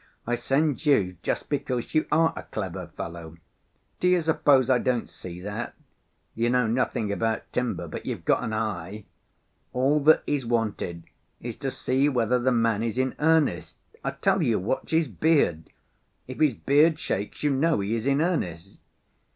I send you just because you are a clever fellow. Do you suppose I don't see that? You know nothing about timber, but you've got an eye. All that is wanted is to see whether the man is in earnest. I tell you, watch his beard—if his beard shakes you know he is in earnest."